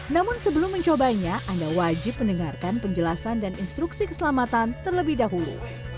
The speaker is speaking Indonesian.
namun sebelum mencobanya anda wajib mendengarkan penjelasan dan instruksi keselamatan terlebih dahulu